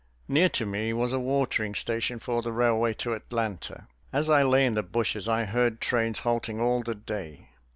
Near to me was a watering station for the railway to Atlanta. As I lay in the bushes I heard trains halting all the day.